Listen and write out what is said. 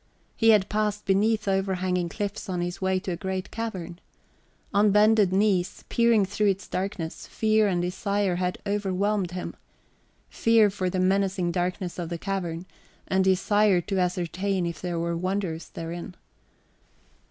He had passed beneath overhanging cliffs on his way to a great cavern. On bended knees, peering through its darkness, fear and desire had overwhelmed him, fear for the menacing darkness of the cavern; and desire {xi} to ascertain if there were wonders therein.